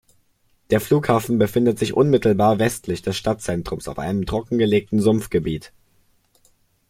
Der Flughafen befindet sich unmittelbar westlich des Stadtzentrums auf einem trockengelegten Sumpfgebiet.